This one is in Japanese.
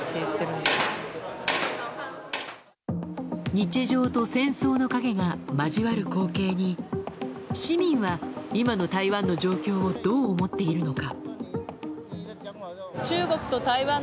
日常と戦争の影が交わる光景に市民は今の台湾の状況をどう思っているのか？